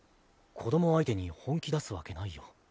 子ども相手に本気出すわけないよ。